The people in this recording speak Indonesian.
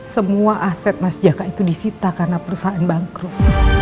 semua aset mas jaka itu disita karena perusahaan bangkrut